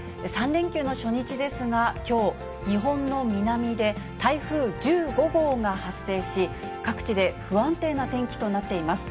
３連休の初日ですが、きょう、日本の南で台風１５号が発生し、各地で不安定な天気となっています。